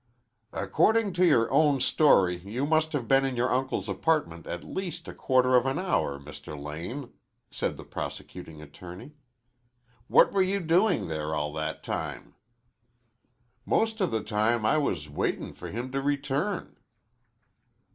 "According to your own story you must have been in your uncle's apartment at least a quarter of an hour, Mr. Lane," said the prosecuting attorney. "What were you doing there all that time?" "Most of the time I was waitin' for him to return."